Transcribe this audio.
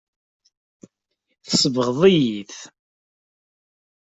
Tsebɣeḍ-iyi-t.